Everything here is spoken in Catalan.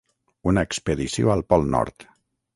Una expedició al pol nord.